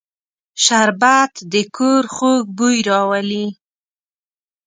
شربت د کور خوږ بوی راولي